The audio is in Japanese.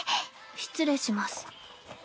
失礼します。